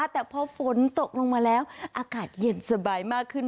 แต่พอฝนตกลงมาแล้วอากาศเย็นสบายมากขึ้น